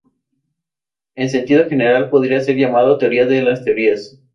En sentido general podría ser llamada "teoría de las teorías".